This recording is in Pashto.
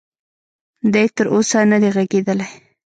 دې تر اوسه ندی ږغېدلی.